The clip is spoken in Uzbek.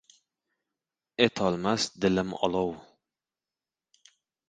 Etolmas dilim olov